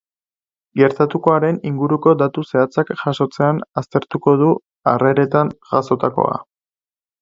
Gertatutakoaren inguruko datu zehatzak jasotzean aztertuko du harreretan jazotakoa.